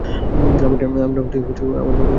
আমার নৌকা থেকে নামুন!